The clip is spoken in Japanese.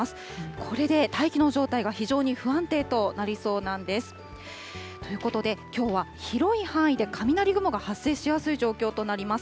これで大気の状態が非常に不安定となりそうなんです。ということで、きょうは広い範囲で雷雲が発生しやすい状況となります。